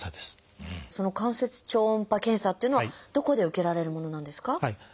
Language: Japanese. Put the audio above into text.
その関節超音波検査っていうのはどこで受けられるものなんですか？